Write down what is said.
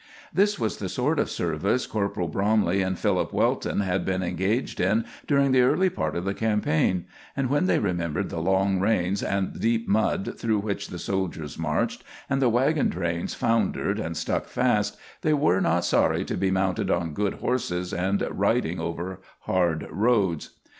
This was the sort of service Corporal Bromley and Philip Welton had been engaged in during the early part of the campaign; and when they remembered the long rains and the deep mud through which the soldiers marched, and the wagon trains foundered and stuck fast, they were not sorry to be mounted on good horses and riding over hard roads.